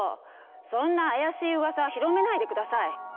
そんな怪しいウワサ広めないで下さい！